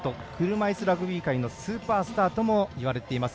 車いすラグビーのスーパースターともいわれています。